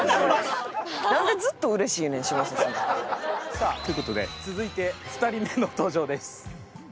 さあという事で続いて２人目の登場です。